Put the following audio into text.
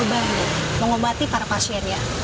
atau inwi tito bayu mengobati para pasiennya